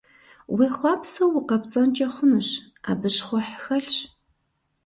Уехъуапсэу укъэпцӀэнкӀэ хъунущ, абы щхъухь хэлъщ.